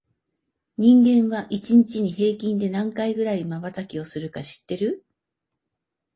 人間は、一日に平均で何回くらいまばたきをするか知ってる？